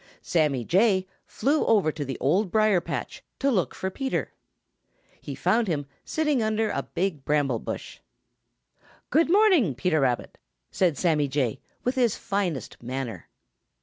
Sammy Jay flew over to the Old Briar patch to look for Peter Rabbit. He found him sitting under a big bramble bush. "Good morning, Peter Rabbit," said Sammy Jay, with his finest manner.